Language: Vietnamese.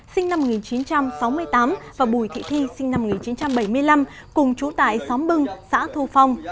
sinh năm một nghìn chín trăm sáu mươi tám và bùi thị thi sinh năm một nghìn chín trăm bảy mươi năm cùng chú tại xóm bưng xã thu phong